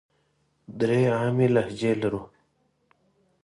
درې عامې لهجې لرو.